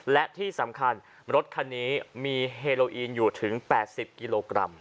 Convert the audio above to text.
และที่สำคัญรถคันนี้มีเฮโลอีนอยู่ถึง๘๐กิโลกรัม